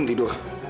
mama belum tidur